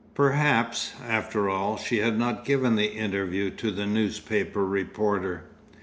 Perhaps, after all, she had not given the interview to the newspaper reporter.